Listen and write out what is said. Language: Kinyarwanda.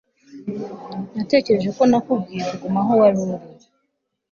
Natekereje ko nakubwiye kuguma aho wari uri